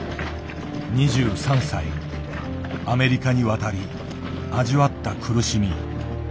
２３歳アメリカに渡り味わった苦しみ。